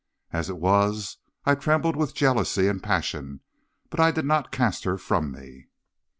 As it was, I trembled with jealousy and passion, but I did not cast her from me.